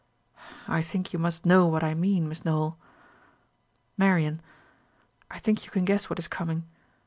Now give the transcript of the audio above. I think you must know what I mean, Miss Nowell. Marian, I think you can guess what is coming.